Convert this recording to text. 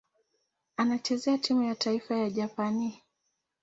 Anachezea timu ya taifa ya Japani.